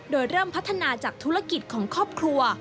โดยเริ่มพัฒนาจากธุรกิจของครอบครัว